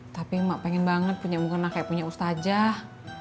tapi emak pengen banget punya mukena kayak punya ustajah